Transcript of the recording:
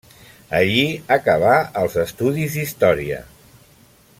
Allí acabà els estudis d'Història.